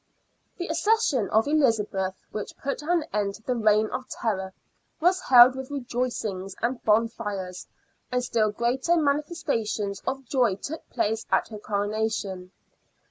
37 The accession of Elizabeth, which put an end to the reign of terror, was hailed with rejoicings and bonfires, and still greater manifestations of joy took place at her coronation.